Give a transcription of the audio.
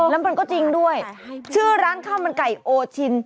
แล้วมันก็จริงด้วยชื่อร้านข้าวมันไก่โอชิน